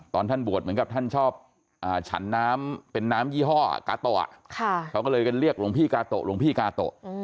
ท่านบวชเหมือนกับท่านชอบฉันน้ำเป็นน้ำยี่ห้อกาโตะเขาก็เลยกันเรียกหลวงพี่กาโตะหลวงพี่กาโตะ